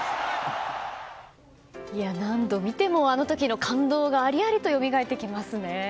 何度見ても、あの時の感動がありありとよみがえってきますね。